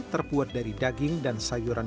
terbuat dari daging dan sayuran